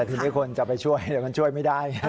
แต่ที่มีคนจะไปช่วยแต่มันช่วยไม่ได้